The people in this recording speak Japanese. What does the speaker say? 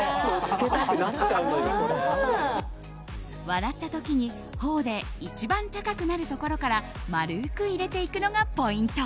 笑った時に頬で一番高くなるところから丸く入れていくのがポイント。